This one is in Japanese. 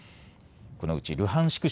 このうちルハンシク